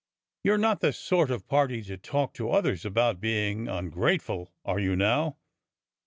"You're not the sort of party to talk to others about being ungrateful, are you now?"